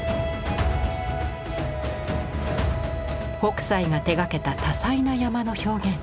北斎が手がけた多彩な山の表現。